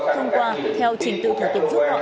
thông qua theo trình tựu thủ tục giúp họ